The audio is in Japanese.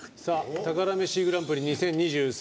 「宝メシグランプリ２０２３」。